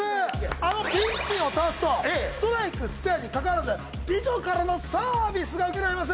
あのピンクピンを倒すとストライクスペアにかかわらず美女からのサービスが受けられます！